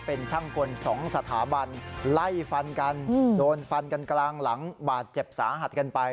เป็นช่างกล๒สถาบันไล่ฟันกันโดนฟันกันกลางหลังบาดเจ็บสาหัสกันไป